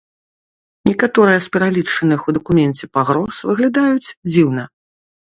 Некаторыя з пералічаных у дакуменце пагроз выглядаюць дзіўна.